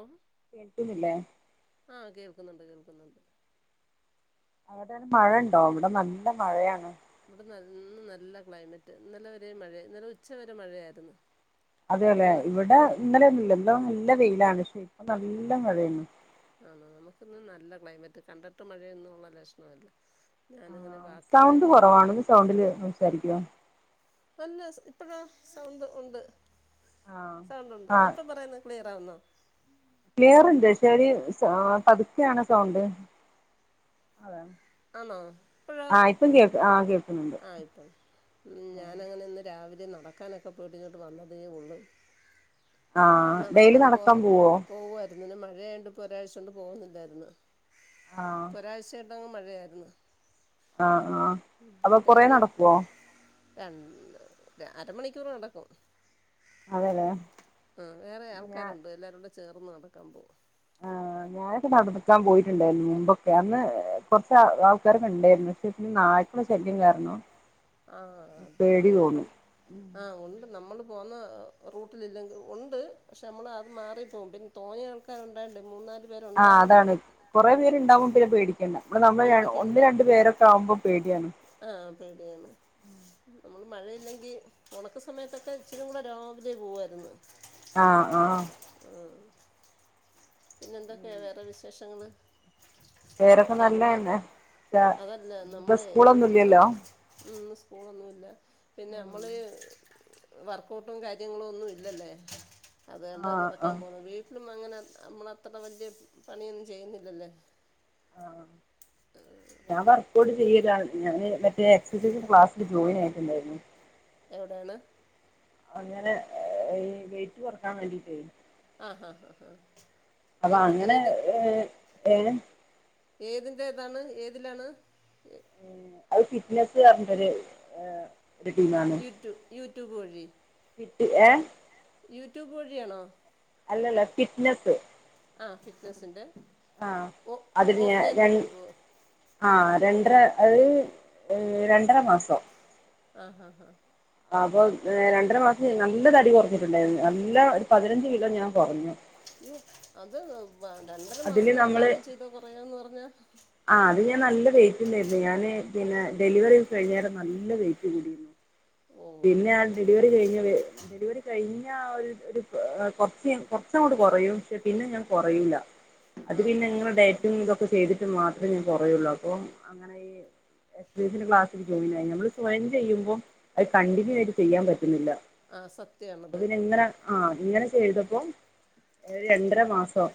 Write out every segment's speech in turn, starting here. ഓ കേൾക്കുന്നില്ലേ കേക്കുന്നുണ്ട് കേൾക്കുന്നുണ്ട് അവിടെന് മഴ ഉണ്ടോ ഇവിടെ നല്ല മഴയാണ് ഇവിടെ ന ഇന്ന് നല്ല ക്ലൈമറ്റ് ഇന്നലെ വരെ മഴ ഇന്നലെ ഉച്ചവരെ മഴയായിരുന്നു അതെ അല്ലെ ഇന്ന് നല്ല ഇവിടെ ഉം ഇന്നലെൊന്നുല്ല ഇന്നോ നല്ല വെയിലാണ് പക്ഷെ ഇപ്പൊ നല്ല മഴയാണ് ആ നമുക്കിന്നും നല്ല ക്ലൈമറ്റ് കണ്ടിട്ട് മഴയൊന്നും ഉള്ള ലക്ഷ്ണമില്ല ആ സൗണ്ട് കൊറവാണ് ഒന്ന് സൗണ്ടില് സംസാരിക്കോ നല്ല ഇപ്പഴോ സൗണ്ട് ഉണ്ട് ആ സൗണ്ടുണ്ട് ആ ഇപ്പം പറയാുന്ന ക്ലിയ റാവുന്നോ ക്ലിയർ ഉണ്ട് പക്ഷെര് പതുക്കെയാണ് സൗണ്ട് അതാ ആണോ ഇപ്പോഴാ ആ കേൾക്കുന്നുണ്ട് ആയിപ്പം ഞാനങ്ങനെന്ന് രാവിലെ നടക്കാനൊക്കെ പോയിട്ടിങ്ങോട്ട് വന്നതേ ഉള്ളൂ ആഹ് ഡെയിലി നടക്കാൻ പോവോ എന്നും മഴയായോണ്ട് ഇപ്പോ ഒരാഴ്ച കൊണ്ട് പോകുന്നില്ലായിരുന്നു ആ ഇപ്പൊരാഴ്ച എന്നും മഴ യേര്ന്നു ആഹ് ആഹ് അപ്പൊ കൊറേ ഡെയിലി നടക്കുവോ രണ്ട് അരമണിക്കൂർ നടക്കും അതെല്ലെ ആ വേറെ ആൾക്കാരുണ്ട് എല്ലരും കൂടെ ചേർന്ന് നടക്കാൻ പോവും ആഹ് ഞാനൊക്കെ നടക്കാൻ പോയിട്ടുണ്ടായിരുന്നു മുമ്പൊക്കെ അന്ന് കൊറച്ച് ആൾക്കാരക്കെണ്ടായിരുന്നു പക്ഷെ പിന്നെ നായ്ക്കളെ ശല്യം കാരണം ആഹ് അ പേടി ഇപ്പ തോന്നും ആഹ് ഉണ്ട് നമ്മൾ പോകുന്ന റൂട്ടിലില്ലെങ്കി ഉണ്ട് പക്ഷേ നമ്മള് അത് മാറിപ്പോകും പിന്നെ തോന്നെ ആൾക്കാര് ഉണ്ടായിണ്ട് മൂന്നാ ആ അതാണ് കൊറേ പേര്ണ്ടാവുമ്പം പേടിക്കണ്ട ഇവടെ നമ്മള് ഒന്ന് രണ്ട് പേരൊക്കെ ആവുമ്പോ പേ പേടിയാണ് ആഹ് പേടിയാണ് നമ്മള് മഴയില്ലെങ്കിൽ ഒണക്ക സമയത്തൊക്കെ ഇച്ചിരിംകൂടെ രാവിലെ പോകുവായിരുന്ന് ആ ആഹ് പിന്നെ എന്തൊക്കെയാ വേറെ വിശേഷങ്ങള് പേരൊക്കെ നല്ലതന്നെ ഇതാ അതല്ല നമ്മൾ ഇപ്പൊ സ്കൂളൊന്നും ഇല്ലല്ലോ സ്കൂളൊന്നും ഇല്ല പിന്നെ നമ്മള് വർക്കൗട്ടും കാര്യങ്ങളും ഒന്നും ഇല്ലല്ലേ അത് എന്താ ആഹ് നടക്കാൻ ആഹ് പോകുന്നേ വീ [unintelligible] അങ്ങനെ നമ്മളത്ര വലിയ പണിയൊന്നും ചെയ്യുന്നില്ലല്ല് ആ ഞാൻ വർക്ക്ഔട്ട് ചെയ്യതാണ് ഞാന് മറ്റേ എക്സസൈസ് ക്ലാസ്സില് ജോയിൻ ആയിട്ടുണ്ടായിരുന്നു എവിടെയാണ് അങ്ങനെ ഈ വെയിറ്റ് കൊറക്കാൻ വേണ്ടിയിട്ടേ ആഹാ ഹാ ഹാ അപ്പൊ അങ്ങനെ ഏത് ഏഹ് ഏഹ് ഏതിന്റെ ഇതാണ് ഏതിലാണ് ഏഹ് അത് ഫിറ്റ്നെസ് പറഞ്ഞിട്ടൊരു ഏഹ് ഒരു ടീമാണ് യൂടു യൂട്യൂബ് വഴി ഏ യൂട്യൂബ് വഴിയാണോ അല്ലല്ല ഫിറ്റ്നെസ് ആ ഫിറ്റ്നസിന്റെ ആ അതില് ഞാൻ രൺ പോവോ ആ രൺ ര അത് ഏഹ് രണ്ടര മാസം ആഹാ ഹാ അപ്പൊ ഏഹ് രണ്ടര മാസം ഞാൻ നല്ല തടി കൊറഞ്ഞിട്ടുണ്ടായിരുന്നു നല്ല ഒരു പതിനഞ്ച് കിലോ ഞാൻ കൊറഞ്ഞു. ഇയ്യോ അത് പ- രണ്ടര മാസം അതില് കൊണ്ട് നമ്മള് പാനം ചെയ്ത കുറയാന്ന് പറഞ്ഞാ ആ അത് ഞാൻ നല്ല വെയിറ്റിണ്ടായിരുന്നു ഞാന് പിന്നെ ഡെലിവറി ഒക്കെ കഴിഞ്ഞാ [unintelligible] നല്ല വെയിറ്റ് കൂടിയിരുന്നു ഓ പിന്നെ ആ ഞാൻ ഒരു ഏഹ് കൊറച്ച് കൊറച്ചങ്ങോട്ട് കൊറയും പക്ഷെ പിന്നെ ഞാൻ കൊറയൂല അത് പിന്നെ ആഹാ ഇങ്ങനെ ഡയറ്റും ഇതൊക്കെ ചെയ്തിട്ട് മാത് [unintelligible] ഞാൻ കൊറയുള്ളൂ അപ്പൊ അങ്ങനെ ഈ എക്സൈസിനിള്ള ക്ലാസിന് ജോയിൻ ആയി നമ്മള് സ്വയം ചെയ്യുമ്പോ അത് കണ്ടിന്യൂ ആയിട്ട് ചെയ്യാൻ പറ്റ് ഇല്ലില്ല ആ അപ്പൊ സത്യമാണത് പിന്നെ ഇങ്ങനെ ആ ഇങ്ങനെ ചെയ്ത [unintelligible] [unintelligible] രണ്ടര മാസം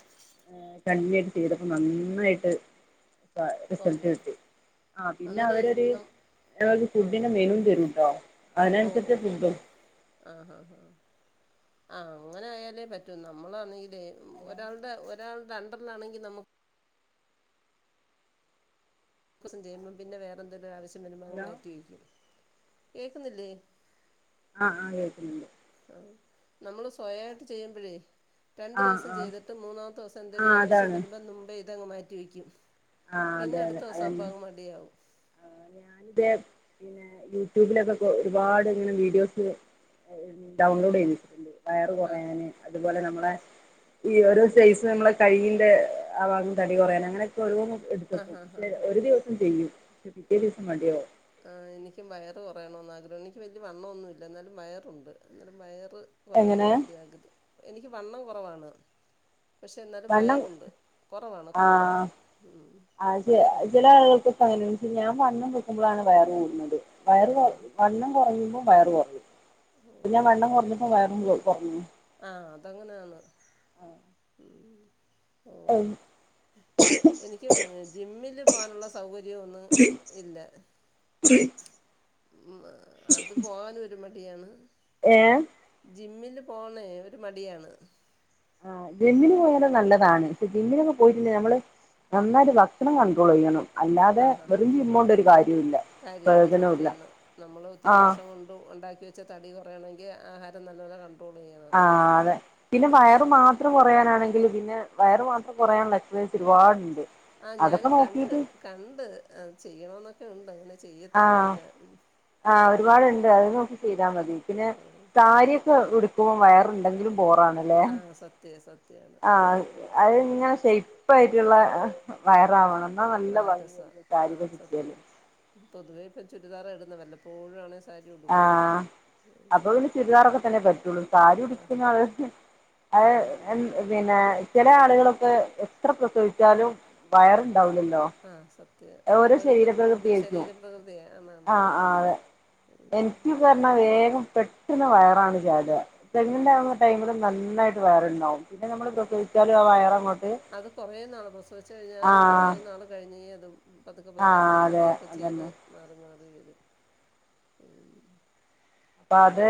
ഏഹ് കല്ല് കെട്ടിയതും നന്നായിട്ട് [unintelligible] റിസൾട്ട് കുറഞ്ഞ് കിട്ടി ആ പിന്നെ അന്നേരേ അവരൊര് നം ആ ഫുഡിന്റെ മെനുവും തരുട്ടോ ഓ ഓ അതിനനുസരിച്ച് ഓ ഫുഡും ആ ഹാ ഹാ ആ അങ്ങനെ ആയാലേ പറ്റൂ നമ്മളാണെങ്കി ഏഹ് ഹലോ ഒരാൾടെ [unintelligible] അ രണ്ടെണ്ണാണെങ്കിൽ നമുക്ക് സം ചേരുമ്പോ പിന്നെ വേറെന്തങ്കും ആവശ്യം വരുമ്പോ ഹലോ മാറ്റി വക്കും കേക്കുന്നില്ലേ ആ ആ കേക്കുന്നുണ്ട്. ആ നമ്മള് സ്വയമായിട്ട് ചെയ്യുമ്പോഴേ? രണ്ടു ആ ദിവസം ആ ചെയ്തിട്ട് മൂന്നാത്തെ ദിവസം എന്ത ആ ഒരു ആവശ്യം അതാണ് വരുമ്പോ മുംബൈ ഇതങ്ങ് മാറ്റി വെക്കും ആ പിന്നെ അടുത്ത ദിവസംമ്പാക മടിയവും ആ ഞാനിത് പിന്നെ യൂട്യൂബിലൊക്കെ ഒരുപാട് ഇങ്ങനെ വീഡിയോസ് ഡൗൺലോഡ് ചെയ്തിച്ചിട്ടുണ്ട് വയർ ആഹ് കുറയാന് അ അതുപോലെ നമ്മള ഈ ഓരോ സയ്സ് നമ്മള കയിന്റെ വാങ്ങ തടി കുറയാൻ അങ്ങനെയൊക്കെള്ള ആഹ് ആഹ് എടുത്തക്കക്ഷെ ആഹ് ഒരു ആഹ് ദിവസം ചെയ്യും ത് പിറ്റേ ദിവസം മണ്ടയോ ആ എനിക്കും വയറ് കുറയണന്ന് ആഗ്രഹം എനിക്ക് വല്യ വണ്ണമൊന്നുമില്ല എന്നാലും വയറുണ്ട് എന്നാലും വയർ എങ്ങനെ കുറയണമെന്ന് ലിയ ആഗ്ര വണ്ണം കുറവാണ് പക്ഷെ എന്നാലും വണ്ണം വയറുണ്ട് കുറവാണ് ആ കുറവാണ് ഉം ആ വയറുണ്ട് ആ ന്പോളാണ് വയർകൂടുന്നത് വയറ് കുറ വണ്ണം കുറയുമ്പോ വയറ് കുറയും ഇ ഞാൻ വണ്ണം കുറഞ്ഞപ്പോ വയറും കുറഞ്ഞ അങ്ങനാണ് ആ ഓ എനിക്കും ജിമ്മില് പോനുള്ള സൗകര്യം ഒന്നും ഇല്ല ഉം അത് പോകാനും ഒരു മണി അവിടെയാണ് ഏ ജിമ്മില് പോണ ഒരു മടിയാണ് ആ ജിമ്മിന് പോന്നത് നല്ലതാണ് പക്ഷ ജിമ്മിനൊക്കെ പോയിട്ടുണ്ടെങ്കിൽ നമ്മള് നന്നായിട്ട് ഭക്ഷണം കണ്ട്രോൾ ചെയ്യണം അല്ലാതെ അ ആ വെറും ആ ജിമ്മോണ്ട് ഒരു കാര്യവുല്ല കാര്യില്ല പ്രയോജനവുല്ല സത്യാണ് നമ്മള് ഒത്തിരി ആഹ് വർഷം കൊണ്ട് ഉണ്ടാക്കി വെച്ച തടി പറയയാണെങ്കിൽ ആഹാരം നല്ലോലെ കൺ ആഹ് അതെ പിന്നെ വയറ് മാത്രം കുറയാനാണെങ്കിൽ പിന്നെ വയറ് മാത്രം കുറയുള്ള എക്സൈസ് ഒരുപാടുണ്ട് ആ ഞാന് അതൊക്കെ കണ്ട് നോക്കിട്ട് കണ്ട് അത് ചെയ്യണന്നൊക്കെ ഉം ഉണ്ടെ ആ ആ ഒരുപാടുണ്ട് അത് നോക്കി ചെയ്താൽ മതി പിന്നെ സാരിയൊക്കെ ഉടുക്കുമ്പോ വയറ [inaudible] ങ്കിലും ബറണല്ലേ ആ സത്യം സത്യമാണ് ആ അത് പക്ഷെ ഇപ്പ ആായിട്ടുള്ള വയറ ആാവണം ആഹ രസ ആഹ സത്യ തന്നെ പൊതുവേ ഇപ്പം ചുരിദാ ഇടുന്ന വല്ലപ്പോഴ ആണ ആഹ അപ്പൊ ഇതിന് ചുരിദാറൊക്കെ തന്നെ പറ്റുള്ളു സാരി ആ ഉടിച്ച അത് ആ അ പിന്നെ ചില ആളുകളൊക്കെ എത്ര പ്രസവിച്ചാലും വയറുണ്ടാവില്ലല്ലോ ആഹ സത്യ അത് ഓരോ ഓരോരുത്തരുടെ ബോഡി ശരീരപ്രകൃതിയായിരിക്കും ശരീരം പ്രകൃതിയ എന്നാണ് ആ ആ അതെ എനിക്ക് പറഞ്ഞാൽ വേഗം പെട്ടുന്ന വയറാണ് അത ആ തെങ്ങിന്റെ നമ്മ ടൈമില് നന്നായിട്ട് വേറെണ്ടാവും പിന്നെ നമ്മൾ പ്രസവിച്ചാലും ആ വയറങ്ങോട്ട് അത് കുറേ നാൾ പ്രസവിച്ച് കഴിഞ്ഞാലും കുറേ ആഹ നാൾ കഴിഞ്ഞേ അത് പതുക്കെ പതുക്കെ നമ്മള് ജോലിയൊക്കെ ചെയ്ത് മാറി മാറിും അത്ര ഉ അപ്പൊ അത്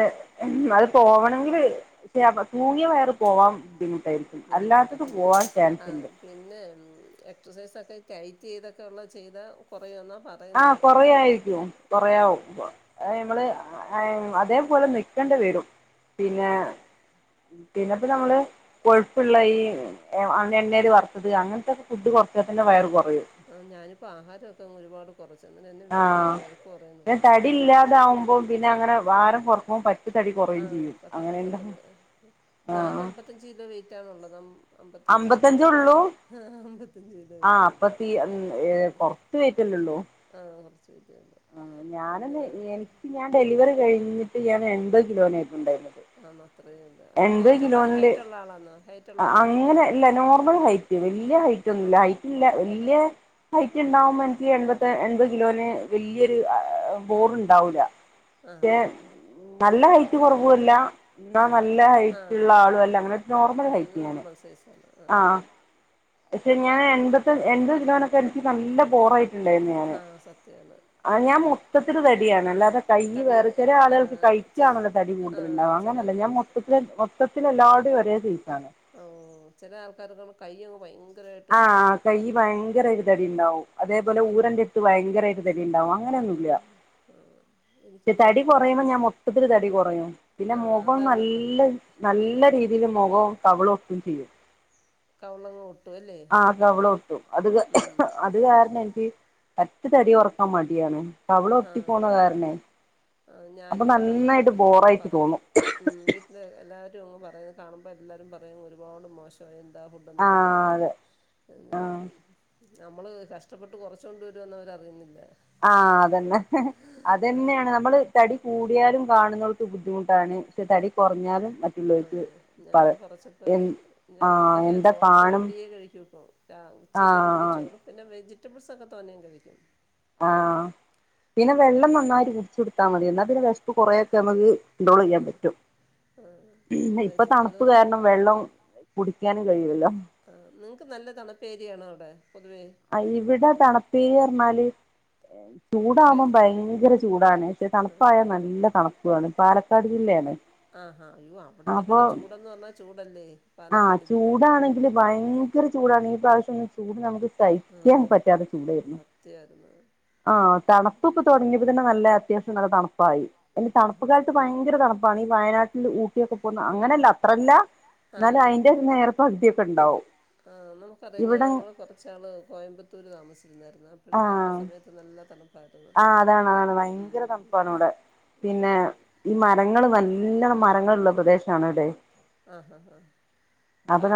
അത് പോവണമെങ്കില് പക്ഷെ തൂങ്ങിയ വയറെ പോവാൻ ബുദ്ധിമുട്ട് ബുദ്ധിമുട്ടാ പിന്നെ പിന്നെ എക്സസൈസ് ഒക്കെ ടൈറ്റ് ചെയ്തൊക്കെ ഉള്ള ചെയ്ത കുറയന്ന ആഹ കൊറായിരിക്കും ഉം. കൊറയാവും നമ്മള് അതേപോലെ നക്കേണ്ടി വരും പിന്നെ പിന്നെപ്പോ നമ്മള് കൊഴുപ്പുള്ള ഈ എണ്ണൽ വറുത്തത് അങ്ങനത്തെക്കെ ഫുഡ് കുറച്ച തന്നെ വയർുക ആ ഞാനിപ്പോ ആഹാരൊക്കെ ഒരുപാട് വ വ ആഹ് പിന്നെ തടി ഇല്ലാതാവുമ്പോ പിന്നെ അങ്ങനെ ഭാരം കൊറക്കുമ്പോ പറ്റെ തടി ആ ആ കൊറയും ചെയ്യും ക അങ്ങനെണ്ട് പ ആഹ് അ വ പാാനുള്ളതും അമ്പത്തഞ്ച് അമ്പത്തഞ്ചേ ഉള്ളൂ അമ്പത്തഞ്ച് വീത വീട്ടിയല്ല ഉ ഏ കൊറത്ത പയറ്റല്ലേള്ളോ ആ വെയിറ്റ് ഉണ്ട് ആ ഞാന അന്നേരം എനിക്ക് ഞാൻ ഡെലിവറി കഴിഞ്ഞിട്ട് [inaudible] ൻ എപത് കിലോനെും ആ അത്രേ എൺപത് കിലോണില് ഹൈറ്റുള്ള ആളാന്നോ അങ്ങനെ അല്ല നോർമൽ ഹൈറ്റ് വല് വലിയ ഹൈറ്റ് ഒന്നുംല്ല ഹൈറ്റ്ല്ല വല്ിയ ഹൈറ്റ് ഉണ്ടാവുമ്പോ എനിക്ക് എൺപ എൺപത് കിലോന് വല്ിയരു ബോർ ഉണ്ടാവൂില്ല ആഹ് ആഹ് നല്ല കഴ റല്ല എന്ന നല്ല ഹൈറ്റള്ള ആഹ് ആളും അല്ല അങ്ങനെ നോർമൽ അതാ ഹൈറ്റ് ഞാന് നോർമൽ സൈസാണ് ആഹ് ആഹ പക്ഷെ ഞാൻ എൺപത് എൺപത് കിലോനൊക്കെ എനിക്ക് നല്ല പോറായിട്ട് ഉണ്ടായി ആഹ് സത്യമാണ് ഞാൻ മൊത്തത്തിൽ തടിയാണ് അല്ലാതെ കൈക്കല്ല തടി വേറെ ചില ആളുകൾക്ക് ആഹ് കയ്ക്ക് ചെല മാത്രമല്ലെ തടി ആഹ് കൂടുതലുണ്ടാാവും ചെല അങ്ങനെ അല്ല സച്ചന് എല്ലാർടെും ഒരേ ജ്ച്ചാണ് [inaudible] ഓ ചില ആൾക്കാർക്കു കയ്യ് ഭയങ്കര ആഹ കൈ ഭയങ്കരമായിട്ട് തടി ഉണ്ടാവും ആഹ് അതേപോലെ ആം ഊരന്റെ അടുത്ത് ഭയങ്കരമായിട്ട് തടി ഉണ്ടാവും ആഹ് അങ്ങനെയൊന്നുംല്ല ആഹ് ആഹ് പക്ഷെ എനിക്കും തടി വലിയ കുറയുമ്പോ ഞാൻ മൊട്ടത്തില്ൽ തടി കുറയും പിന്നെ ആഹ് മുഖം അതാ നല്ലത് നല്ല നല്ല അങ്ങ് രീതിൽ മുഖവും കവിളും ഉപ്പം ചെയും [inaudible] [unintelligible] കവളങ്ങോട്ട് ആഹ ക അവളൊട്ടും അത് അത് കാരണം എനിക്ക് പറ്റ തടി കുറക്കാൻ മടി യാണ് ആ അപ്പൊ ഞാനും ഇവിടെ വണ്ണം നന്നായിട്ട് കുറക്കുമ്പോ ബോറായിട്ട് തോന്നും പറയുന്നത് വീട്ടില് എല്ലാവ പറയും കാണും എല്ലാരും പറയും ഒരുപാട് മോശമായിട്ടുണ്ട് എന്താ ആ ഫുഡൊന്നും അതെ കഴിക്കത്തില്ലന്ന് ആ കഴിക്കും നമ്മള് കഷ്ടപ്പെട്ട് കുറച്ചു കൊണ്ട് വരുമെന്ന് അവരറിയുന്നില്ല ആഹ അതന്നെ ആഹ് അത്ന്നെയാണ് നമ്മള് തടി കൂടിയാലും കാണുന്നവർക്ക് ബുദ്ധിമുട്ടാണ് പക്ഷെ തടി കുറഞ്ഞാലും മറ്റുള്ളവർക്ക് ആഹ് ഞാൻ കുറച്ചപ്പോ എ ഞാൻ ആഹ ഫുഡൊക്കെ എന്താ ചോറൊക്കെ ഒരു കാണും പിടിയേ കഴിക്കൂ ഇപ്പോൾ ആഹ ആ വെജിറ്റബിൾസ് ഒക്കെ തോനെകഴിക്കും ആഹ പിന്നെ വെള്ളം നന്നായിട്ടു കുടിച്ചു കൊടുത്താ ഉം മതി എന്നാൽ പിന്നെ വിശപ്പ്കുറേൊക്കെ നമുക്ക് കൺട്രോൾ ചെയ്യാൻ ആഹ് പറ്റും ഇപ്പൊ ആഹ് തണുപ്പ് അതുപോലെ കാരണം വെള്ളം കുടി പിക്കാന [inaudible] കഴിയൂല്ല ആഹ ന [unintelligible] നല്ല തണുത്തേരിയാണോ അവിടെ പൊതുവേ ആ ഇവിടെ തണുപ്പേ പറഞ്ഞാല് ആഹ ഹെ ചൂടകുമ്പോം ഭയങ്കര ചൂടാണ് പക്ഷെ തണുപ്പായ നല്ല തണുപ്പാണ് പാലക്കാട് ജില്ലയാണ് ആഹാ അയ്യോ അവിടുത്തെ അപ്പൊ പിന്നെ ചൂടെന്ന് പറഞ്ഞാ ചൂടല്ലേ ആഹ പാലക്കാട് ജില്ല ചൂടാണെങ്കിൽ ഭയങ്കര ചൂടാണ് ഈ പ്രാവശ്യ ചൂട് നമുക്ക് സഹിക്കാൻ ആഹ് പറ്റാത്തെ ചൂടായിരുന്നു സത്യായിരുന്നു ആ തണുപ്പൊക്കെ തുടങ്ങിയപ്പോ തന്നെ നല്ല അത്യാ നല്ല തണുപ്പായി ആഹാ തണുപ്പുകാലട്ടത്ത് ഭയങ്കര തണുപ്പാണ് ഈ വയനാട്ടിൽ ഊട്ടിയൊക്കെ പോകുന്ന അങ്ങനെയല്ല അത്രല്ല ആഹ എന്നാലും അയിന്റെ നേരെ പകുതിയൊക്കെ ഉണ്ടാവും ആഹ നമുക്കറിയാം ഇവിടെ ഞങ്ങള് കൊറച്ചാള് കോയമ്പത്തൂർ താമസം ആയിരുന്നു അപ്പോഴ തണു [unintelligible] സമയത്ത് നല്ല തണുപ്പ ആ അതാണ് അതാണ് ഭയങ്കര തണുപ്പാണ് ഇവിടെ പിന്നെ ഈ മരങ്ങ നല് എല്ലാം മരങ്ങളുള്ള പ്രദേശണഇടെ ആഹഹാഹാ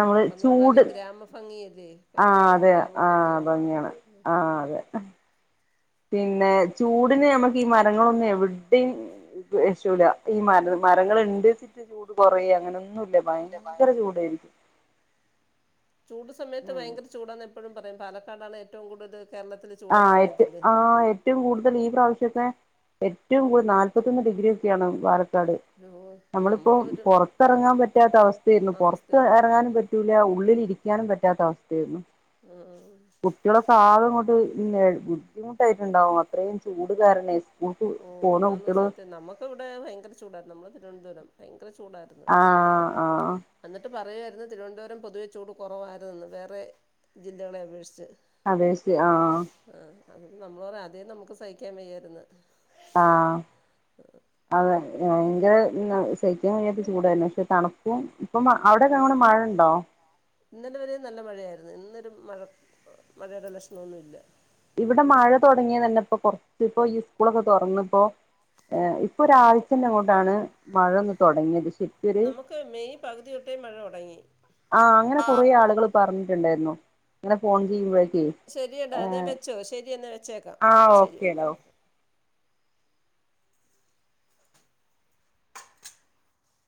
നമ്മള് പറഞ്ഞാല് ചൂട് ഗ്രാമ ഭംഗിയല്ലേ ഭയങ്കര ആഹ് അതെ ഗ്രാമ ആഹ് ഭംഗിയന്ന് പറ ഭംഗിയാണ് ആഹ് അതെ പിന്നെ ചൂടിന് നമുക്ക് ഈ മരങ്ങളൊന്നും എവിടെയും [unintelligible] ഈ മര മരങ്ങൾ ആഹ് ഉണ്ട് വച്ചിട്ട് ചൂട് കുറ അങ്ങനൊന്നും ന്നുല്ല ഭയങ്കര ചൂടായിരിക്കും ചൂട് സമയത്ത് ഉം ഭയങ്കര ചൂടാന്ന എപ്പോഴും പറയും പാലക്കാടാണ് ഏറ്റവും കൂടുതൽ കേരളത്തിൽ ആ ചൂടെന്ന് ഏ പറയത്തില്ലേ ആ ഏറ്റവും കൂടുതൽ ഈ പ്രാവശ്യത്തെ ഏറ്റവും കൂടുതൽ നാല്പത്തിന്ന് ഡിഗ്രിയ ഒക്കെയാണ് വ [unintelligible] അയ്യോ നമ്മളിപ്പോ നമുക്ക് ഒരു പുറത്തിറങ്ങാൻ പറ്റാത്ത അവസ്ഥായിരുന്നു പുറത്ത് അവസ്ഥയായിരുന്നു ഇറങ്ങാനും പറ്റൂല ഉള്ളിൽരി ക്കാണ് പറ്റാത്ത അവസ്ഥയായിരുന്നു ഉം കുട്ടികുടെ ആകെ ഇങ്ങോട്ട് ബുദ്ധിമുട്ടായിട്ടുണ്ടാവും അത്രയും ചൂടുകാരണേ ഓ ആന്ന് സത്യം നമ്മുക്ക് ഇവിടെ ഭയങ്കര ചൂടാ നമ്മെ തിരുവനന്തപുരം [unintelligible] അത്ര ചൂടായിരുന്നു ആഹ് ആഹ് എന്നിട്ട് പറയുയിരുന്നു തിരുവനന്തപുരം പൊതുവെ ചൂട് കുറവായിതെന്ന് വേറെ ജില്ലകളെ അപേക്ഷിച്ച് അതെ ശ ആ ആ അത് നമ്മള പറ അതേ നമുക്ക് സഹിക്കാൻ വയ്യായിരുന്നു ആ അതെ ഭയങ്കര സഹിക്കൻ കഴിയാത്ത ചൂടായിരുന്നു പക്ഷെ തണുപ്പും ഇപ്പൊ അവിടെയൊക്കെ അങ്ങെ മഴുണ്ടോ ഇന്നലെ വരെ നല്ല മഴയായിരുന്നു ഇന്നൊരു മഴ മഴയുടെ ലക്ഷണൊന്നുമല്ല ഇവിടെ മഴ തുടങ്ങിയ തന്നെ ഇപ്പോ കുറച്ച ഇപ്പോ ഈ സ്കൂളൊക്കെ തുറന്നപ്പോ ഇപ്പൊ ഒരാഴ്ചന്ന അങ്ങോട്ടാണ് മഴൊന്ന് തുടങ്ങിയത് ശരിക്കൊരു നമുക്ക് മെയ് പകുതി തൊട്ടേ മഴ തുടങ്ങി ആ അങ്ങനെ കുറെ ആളുകൾ പറഞ്ഞിട്ടുണ്ടായിരുന്നു അങ്ങനെ ഫോൺ ചെയ്യുമ്പോഴും ശരിയടാ എന്നാ വെച്ചോ ശെരി എന്നാ വെച്ചേക്കാം ആഹ് ശരി ഓക്കേടാ ഓക്കെ ഓ